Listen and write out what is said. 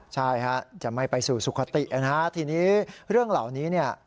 ใช่จะไม่ไปสู่สุขติฮะทีนี้เรื่องเหล่านี้